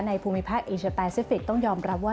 ภูมิภาคอีเชอร์แปซิฟิกต้องยอมรับว่า